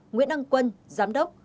nguyễn ân quân giám đốc